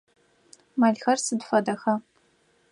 Мэлхэр сыд фэдэха?